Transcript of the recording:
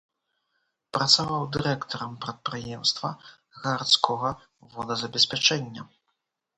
Працаваў дырэктарам прадпрыемства гарадскога водазабеспячэння.